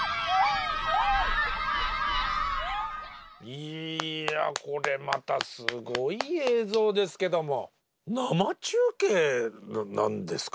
いやこれまたすごい映像ですけども生中継なんですか？